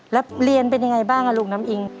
แล้วเรียนเป็นยังไงบ้างลูกน้ำอิง